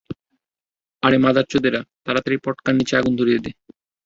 আরে মাদারচোদেরা, তাড়াতাড়ি পটকার নিচে আগুন ধরিয়ে দে!